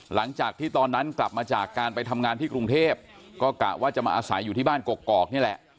หลังจากที่ตอนนั้นกลับมาจากการไปทำงานที่กรุงเทพก็กะว่าจะมาอาศัยอยู่ที่บ้านกอกนี่แหละ